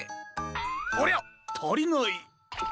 ありゃたりない。